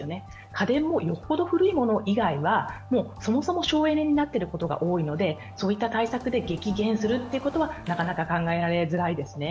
家電もよほど古いもの以外は、そもそも省エネになっていることが多いので、そういった対策で激減するということはなかなか考えづらいですね。